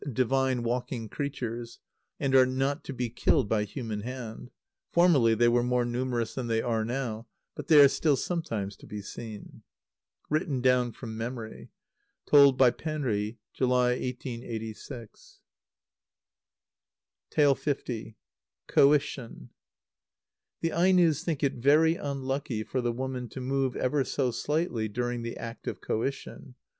_ "divine walking creatures," and are not to be killed by human hand. Formerly they were more numerous than they are now, but they are still sometimes to be seen. (Written down from memory. Told by Penri, July, 1886.) l. Coition. The Ainos think it very unlucky for the woman to move ever so slightly during the act of coition.